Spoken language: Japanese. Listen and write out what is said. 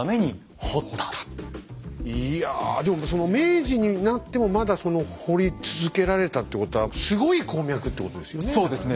いやでもその明治になってもまだ掘り続けられたってことはすごい鉱脈ってことですよね。